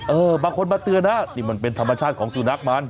บางคนมาเตือนนะนี่มันเป็นธรรมชาติของสุนัขมัน